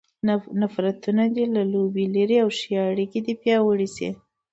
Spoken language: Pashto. نفرتونه دې له لوبې لیرې او ښې اړیکې پیاوړې شي.